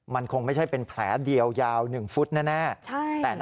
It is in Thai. มันคงไม่ใช่เป็นแผลเดียวยาว๑ฟุตแน่